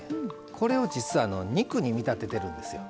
これをじつは肉に見立ててるんですよ。